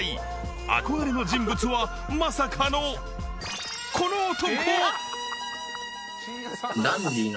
憧れの人物は、まさかのこの男。